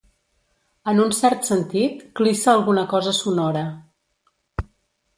En un cert sentit, clissa alguna cosa sonora.